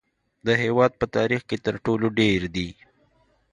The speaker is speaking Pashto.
د هیواد په تاریخ کې تر ټولو ډیر دي